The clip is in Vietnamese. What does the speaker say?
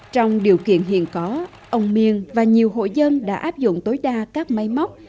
trong điều kiện hiện có ông miên và nhiều hội dân đã áp dụng tối đa các máy móc